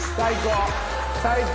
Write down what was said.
最高。